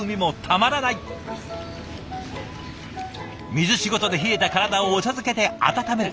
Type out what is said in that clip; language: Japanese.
水仕事で冷えた体をお茶漬けで温める。